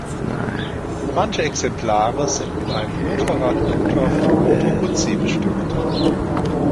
Manche Exemplare sind mit einem Motorradmotor von Moto Guzzi bestückt.